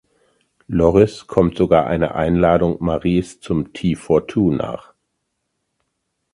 Lorris kommt sogar einer Einladung Maries zum Tea for Two nach.